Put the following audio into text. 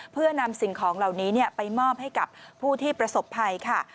เพื่อนำสิ่งของเหล่านี้ไปมอบให้กับผู้ที่ประสบภัยค่ะ